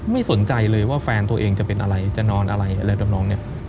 ไม่สนใจเลยว่าแฟนตัวเองจะเป็นอะไรจะนอนอะไรอะไรทำนองเนี่ย